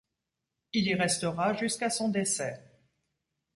Il y restera jusqu’à son décès.